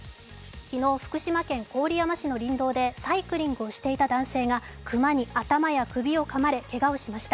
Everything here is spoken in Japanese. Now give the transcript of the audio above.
昨日、福島県郡山市の林道で、サイクリングをしていた男性が熊に頭や首をかまれ、けがをしました。